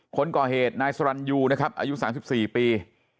คนก่อเหตุนายสรรยูนะครับอายุสามสิบสี่ปี